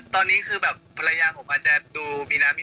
ตีการปรับเรื่องโชนังการ